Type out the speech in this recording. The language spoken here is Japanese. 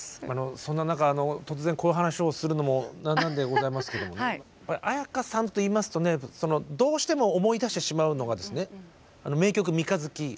そんな中突然こういう話をするのもなんなんでございますけどもね絢香さんといいますとねどうしても思い出してしまうのがですね